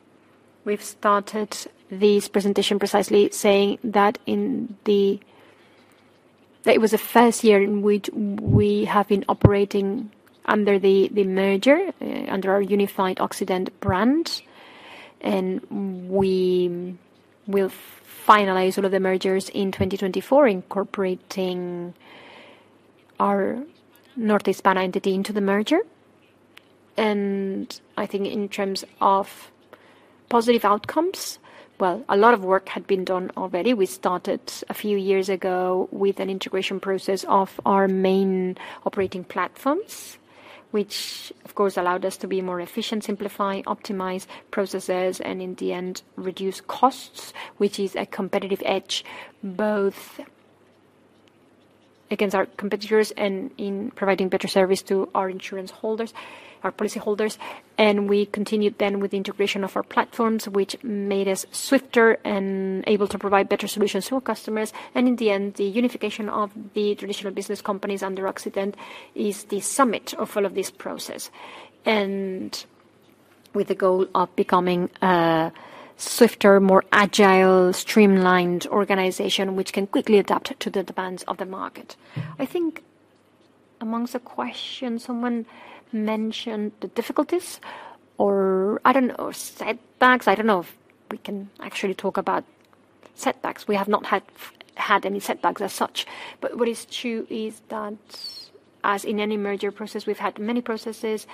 We've started this presentation precisely saying that it was the first year in which we have been operating under the merger under our unified Occident brand. We will finalize all of the mergers in 2024, incorporating our NorteHispana entity into the merger. I think in terms of positive outcomes, well, a lot of work had been done already. We started a few years ago with an integration process of our main operating platforms, which, of course, allowed us to be more efficient, simplify, optimize processes, and in the end, reduce costs, which is a competitive edge, both against our competitors and in providing better service to our insurance holders, our policy holders. We continued then with the integration of our platforms, which made us swifter and able to provide better solutions to our customers. In the end, the unification of the traditional business companies under Occident is the summit of all of this process, and with the goal of becoming a swifter, more agile, streamlined organization, which can quickly adapt to the demands of the market. I think-... amongst the questions, someone mentioned the difficulties, or I don't know, setbacks. I don't know if we can actually talk about setbacks. We have not had any setbacks as such, but what is true is that as in any merger process, we've had many processes,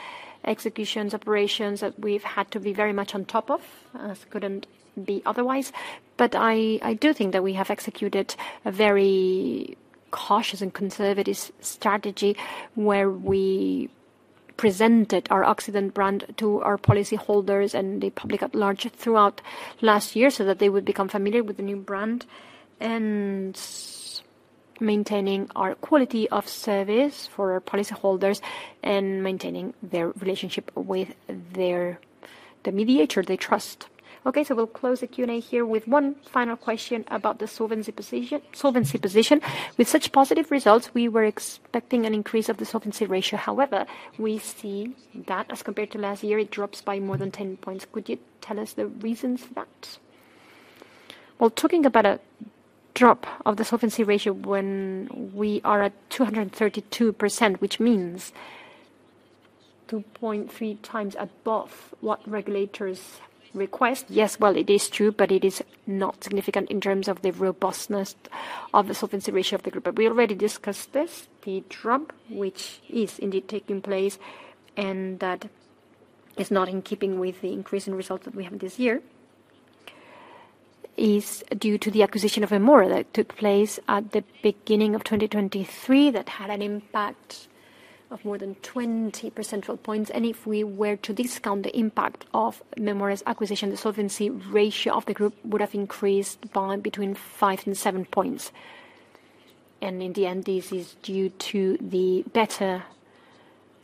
executions, operations that we've had to be very much on top of, as couldn't be otherwise. But I do think that we have executed a very cautious and conservative strategy, where we presented our Occident brand to our policy holders and the public at large throughout last year, so that they would become familiar with the new brand, and maintaining our quality of service for our policy holders, and maintaining their relationship with their, the mediator they trust. Okay, so we'll close the Q&A here with one final question about the solvency position, solvency position. With such positive results, we were expecting an increase of the solvency ratio. However, we see that as compared to last year, it drops by more than 10 points. Could you tell us the reasons for that? Well, talking about a drop of the solvency ratio when we are at 232%, which means 2.3 times above what regulators request. Yes, well, it is true, but it is not significant in terms of the robustness of the solvency ratio of the group. But we already discussed this, the drop, which is indeed taking place, and that is not in keeping with the increase in results that we have this year, is due to the acquisition of Mémora that took place at the beginning of 2023, that had an impact of more than 20 percentage points. And if we were to discount the impact of Mémora's acquisition, the solvency ratio of the group would have increased by between five and seven points. And in the end, this is due to the better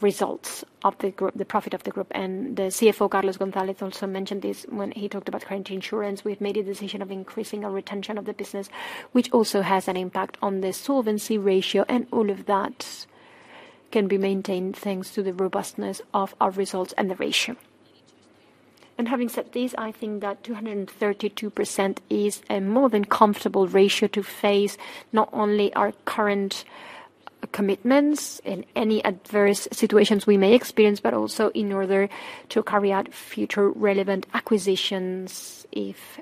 results of the group, the profit of the group. And the CFO, Carlos González, also mentioned this when he talked about credit insurance. We have made a decision of increasing our retention of the business, which also has an impact on the solvency ratio, and all of that can be maintained thanks to the robustness of our results and the ratio. And having said this, I think that 232% is a more than comfortable ratio to face not only our current commitments and any adverse situations we may experience, but also in order to carry out future relevant acquisitions, if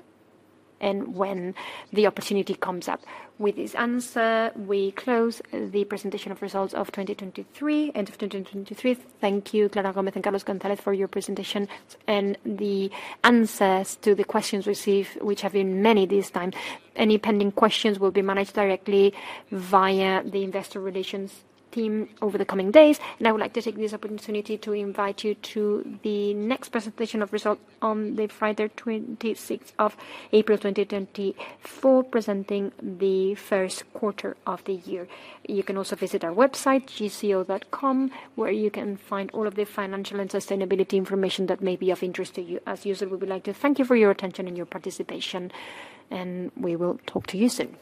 and when the opportunity comes up. With this answer, we close the presentation of results of 2023, end of 2023. Thank you, Clara Gómez and Carlos González, for your presentation and the answers to the questions received, which have been many this time. Any pending questions will be managed directly via the investor relations team over the coming days, and I would like to take this opportunity to invite you to the next presentation of results on the Friday, 26th of April, 2024, presenting the first quarter of the year. You can also visit our website, gco.com, where you can find all of the financial and sustainability information that may be of interest to you. As usual, we would like to thank you for your attention and your participation, and we will talk to you soon.